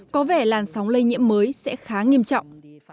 có vẻ làn sóng lây nhiễm mới sẽ khá nghiêm trọng